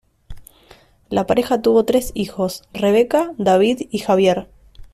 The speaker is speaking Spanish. La pareja tuvo tres hijos: Rebeca, David, y Javier.